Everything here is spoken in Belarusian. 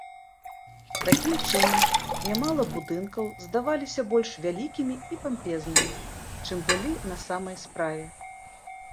Такім чынам нямала будынкаў здаваліся больш вялікімі і пампезным, чым былі на самай справе.